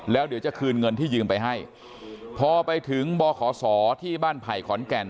แล้วเดี๋ยวจะคืนเงินที่ยืมไปให้พอไปถึงบขศที่บ้านไผ่ขอนแก่น